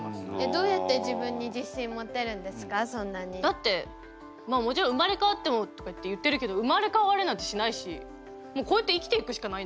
だってまあもちろん生まれ変わってもとかって言ってるけど生まれ変われなんてしないしもうこうやって生きていくしかないんだから。